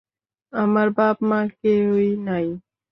আমার বাপ-মা কেহই নাই।